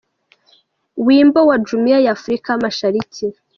Wimbo wa Jumuiya ya Afrika Mashariki